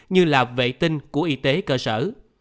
như là vệ tinh của y tế cơ sở